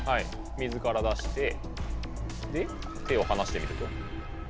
水から出してで手を離してみると。